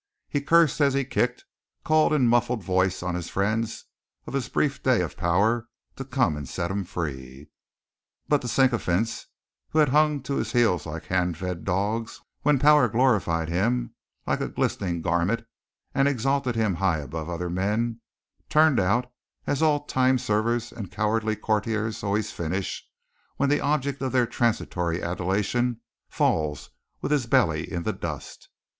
He cursed as he kicked, and called in muffled voice on the friends of his brief day of power to come and set him free. But the sycophants who had hung to his heels like hand fed dogs when power glorified him like a glistening garment and exalted him high above other men, turned out as all time servers and cowardly courtiers always finish when the object of their transitory adulation falls with his belly in the dust.